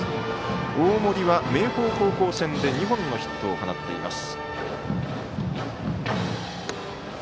大森は明豊高校戦で２本のヒットを放っています。